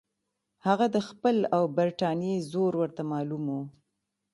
هغه د خپل او برټانیې زور ورته معلوم وو.